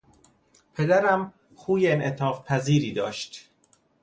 پدرم خوی انعطافپذیری داشت.